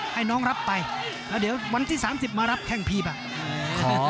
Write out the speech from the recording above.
ให้น้องรับไปเดี๋ยววันที่สามสิบมารับแข้งพีช